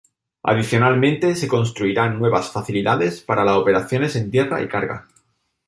Adicionalmente se construirán nuevas facilidades para las operaciones en tierra y carga.